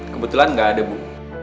kebetulan gak ada bu